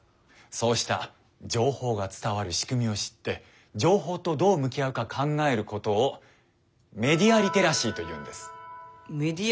そうした情報が伝わるしくみを知って情報とどう向き合うか考えることをメディア・リテラシー？